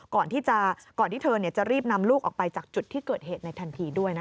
ก่อนที่เธอจะรีบนำลูกออกไปจากจุดที่เกิดเหตุในทันทีด้วยนะคะ